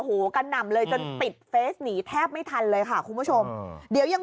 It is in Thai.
กระหน่ำเลยจนปิดเฟสหนีแทบไม่ทันเลยค่ะคุณผู้ชมเดี๋ยวยัง